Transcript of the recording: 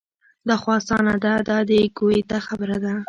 دا خو اسانه ده دا د ګویته خبره ده.